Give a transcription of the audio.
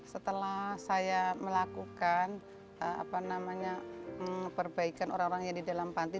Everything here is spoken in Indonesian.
setelah saya melakukan perbaikan orang orang yang di dalam panti